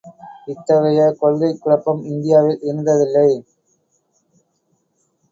இத்தகைய கொள்கைக் குழப்பம் இந்தியாவில் இருந்ததில்லை.